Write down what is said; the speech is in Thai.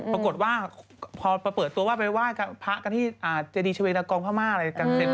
ปรากฏว่าพอเปิดตัวว่าไปไหว้พระกันที่เจดีชาเวดากองพม่าอะไรกันเสร็จ